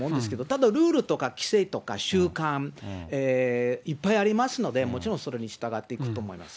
ただルールとか規制とか習慣、いっぱいありますので、もちろんそれに従っていくと思います。